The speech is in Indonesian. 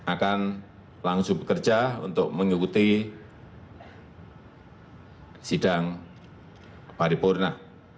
akan langsung bekerja untuk mengikuti sidang paripurna